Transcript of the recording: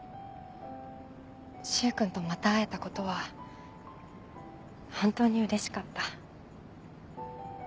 柊君とまた会えたことは本当にうれしかった。